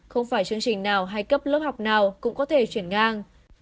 không phải chương trình nào hay cấp lớp học nào cũng có thể chuyển ngang